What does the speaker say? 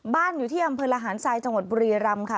บ้านอยู่ที่อำเภอหาลฮาลสายจังหวัดบุรียรัมค่ะ